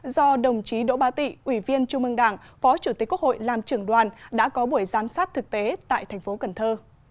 do đồng chí đỗ ba tị ủy viên trung ương đảng phó chủ tịch quốc hội làm trưởng đoàn đã có buổi giám sát thực tế tại thành phố cần thơ